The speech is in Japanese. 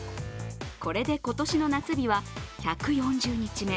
これで今年の夏日は１４０日目。